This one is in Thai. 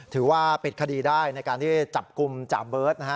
ถือว่าปิดคดีได้ในการที่จับกลุ่มจ่าเบิร์ตนะฮะ